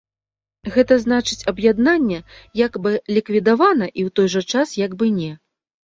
Гэта значыць аб'яднанне як бы ліквідавана і ў той жа час як бы не.